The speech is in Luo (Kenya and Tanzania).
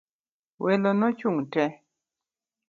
Welo no chung' te.